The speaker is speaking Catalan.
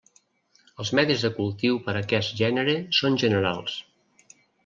Els medis de cultiu per a aquest gènere són generals.